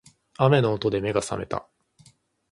雨の音で目が覚めた